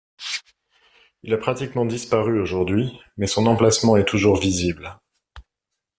Il a pratiquement disparu aujourd'hui, mais son emplacement est toujours visible.